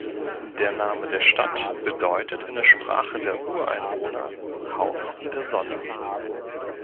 Der Name der Stadt bedeutet in der Sprache der Ureinwohner: „Haus der Sonne“.